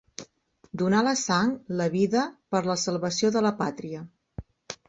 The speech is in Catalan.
Donar la sang, la vida, per la salvació de la pàtria.